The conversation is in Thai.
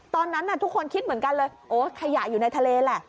ตอนนั้นทุกคนคิดเหมือนกันเลยโอ้ขยะอยู่ในทะเลแหละ